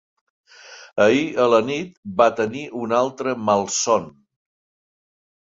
Ahir a la nit va tenir un altre malson.